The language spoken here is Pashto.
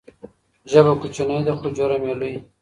ژبه کوچنۍ ده خو جرم یې لوی.